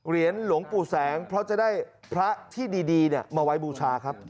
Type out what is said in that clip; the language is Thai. หลวงปู่แสงเพราะจะได้พระที่ดีมาไว้บูชาครับ